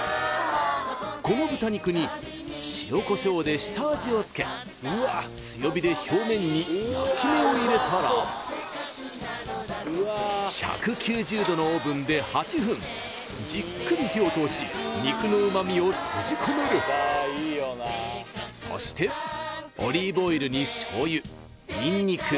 この豚肉に塩コショウで下味をつけ強火で表面に焼き目を入れたら１９０度のオーブンで８分じっくり火を通し肉の旨みを閉じ込めるそしてオリーブオイルに醤油ニンニク